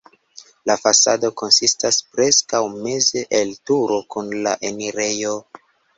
La fasado konsistas preskaŭ meze el turo kun la enirejo.